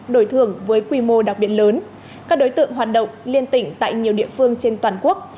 đổi thưởng với quy mô đặc biệt lớn các đối tượng hoạt động liên tỉnh tại nhiều địa phương trên toàn quốc